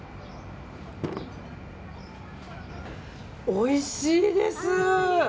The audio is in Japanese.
おいしいです！